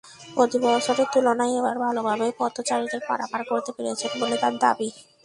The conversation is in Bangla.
প্রতিবছরের তুলনায় এবার ভালোভাবেই পথচারীদের পারাপার করতে পেরেছেন বলে তাঁর দাবি।